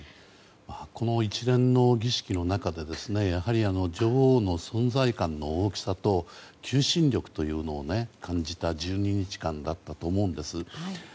この一連の儀式の中で女王の存在感の大きさと求心力というのを感じた１２日間だったと思うんです。